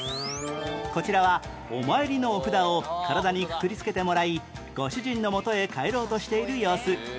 こちらはお参りのお札を体にくくりつけてもらいご主人のもとへ帰ろうとしている様子